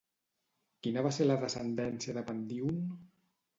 Quina va ser la descendència de Pandíon?